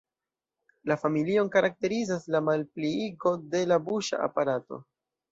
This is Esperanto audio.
La familion karakterizas la malpliigo de la buŝa aparato.